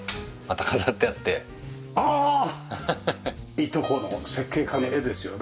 いとこの設計家の絵ですよね。